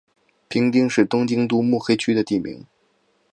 平町是东京都目黑区的地名。